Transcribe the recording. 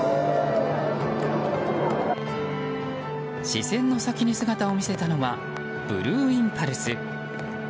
視線の先に姿を見せたのはブルーインパルス。